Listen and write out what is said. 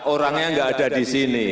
orangnya nggak ada di sini